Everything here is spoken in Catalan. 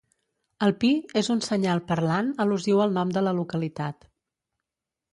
El pi és un senyal parlant al·lusiu al nom de la localitat.